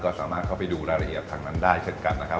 ก็สามารถเข้าไปดูรายละเอียดทางนั้นได้เช่นกันนะครับ